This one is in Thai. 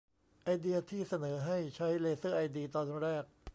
ไอเดียที่เสนอให้ใช้เลเซอร์ไอดีตอนแรก